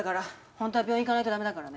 ほんとは病院行かないとだめだからね。